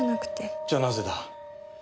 じゃあなぜだ？